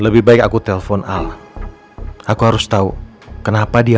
lebih baik aku telpon al aku harus tahu kenapa dia